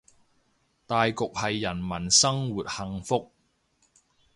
大局係人民生活幸福